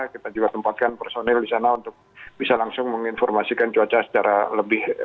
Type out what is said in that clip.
kita juga tempatkan personel di sana untuk bisa langsung menginformasikan cuaca secara lebih detail lebih jelas